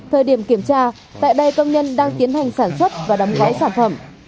thời điểm kiểm tra tại đây công nhân đang tiến hành sản xuất và đóng gói sản phẩm